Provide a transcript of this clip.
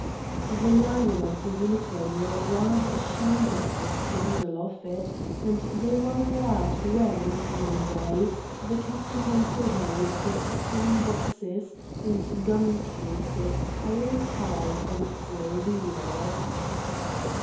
The Lion and the Unicorn were rather ashamed of the scandal of it, and they were glad when, one day, the Captain went away with his tin boxes and gun cases piled high on a four wheeler.